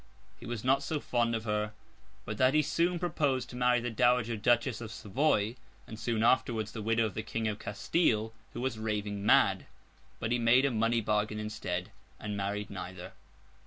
He was not so fond of her but that he soon proposed to marry the Dowager Duchess of Savoy; and, soon afterwards, the widow of the King of Castile, who was raving mad. But he made a money bargain instead, and married neither.